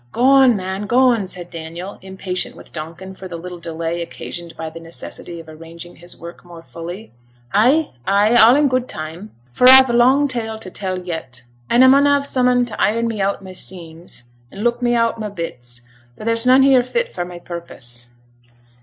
'G'on, man, g'on,' said Daniel, impatient with Donkin for the little delay occasioned by the necessity of arranging his work more fully. 'Ay! ay! all in good time; for a've a long tale to tell yet; an' a mun have some 'un to iron me out my seams, and look me out my bits, for there's none here fit for my purpose.'